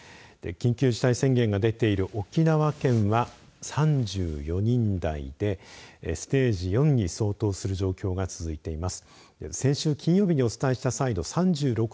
緊急事態宣言が出ている沖縄県は３４人台でステージ４に相当する状況が続いています。